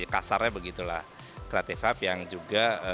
kasarnya begitulah creative hub yang juga